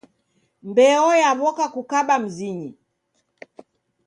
Mbeo yaw'oka kukaba mzinyi